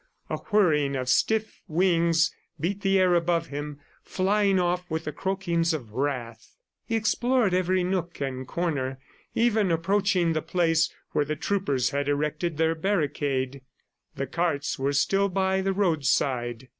A whirring of stiff wings beat the air above him, flying off with the croakings of wrath. He explored every nook and corner, even approaching the place where the troopers had erected their barricade. The carts were still by the roadside.